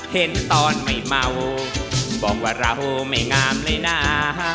เห็นตอนไม่เมาบอกว่าเราไม่งามเลยนะ